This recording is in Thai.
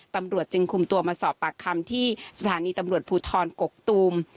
ตำรวจจึงคุมตัวมาสอบปากคำที่สถานีตำรวจภูทรกกตูม